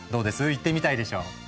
行ってみたいでしょう。